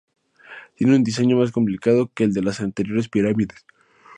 Tiene un diseño más complicado que el de las anteriores pirámides.